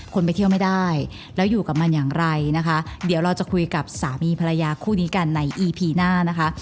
คนไปเที่ยวไม่ได้แล้วอยู่กับมันอย่างไรนะคะเดี๋ยวเราจะคุยกับสามีภรรยาคู่นี้กันในอีพีหน้านะคะ